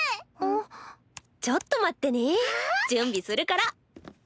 ちょっと待ってね準備するから。